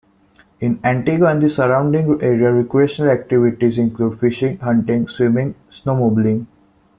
In Antigo and the surrounding area recreational activities include fishing, hunting, swimming, snowmobiling.